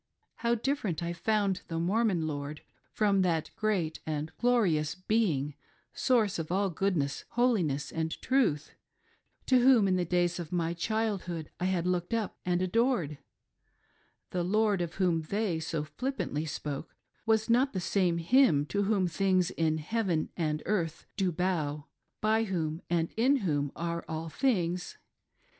How different I found the Mormon "lord" from that great and glorious Being — source of all goodness, holi ness, and truth — to whom in the days of my childhood I had looked up aiid adored I The "lord" of whom they so flip pantly spoke, was not the same with Him to whom things in heaven and earth do bow, by whom, and in whom, are all things.